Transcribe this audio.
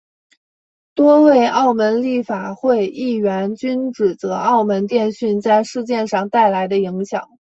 多位澳门立法会议员均指责澳门电讯在事件上带来的影响。